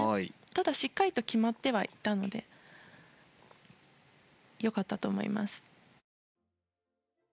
ただ、しっかりと決まってはいたので良かったと思います。